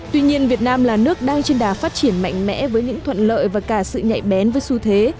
tuy nhiên việt nam là nước đang trên đà phát triển mạnh mẽ với những thuận lợi và cả sự nhạy bén với xu thế